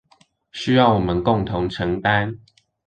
需要我們共同承擔